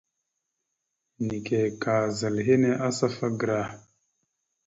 Neke ka zal henne asafa gərah.